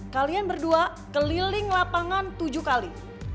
kalian berdua keliling lapangan tujuh kali